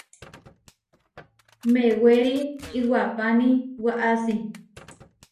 Mewéri iwapáni waʼási.